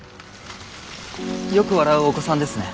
よく笑うお子さんですね。